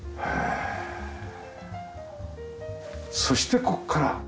そしてここから。